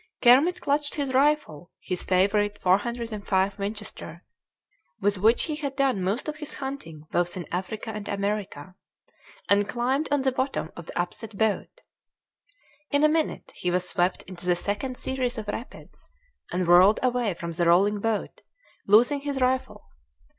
Kermit clutched his rifle, his favorite 405 Winchester with which he had done most of his hunting both in Africa and America, and climbed on the bottom of the upset boat. In a minute he was swept into the second series of rapids, and whirled away from the rolling boat, losing his rifle.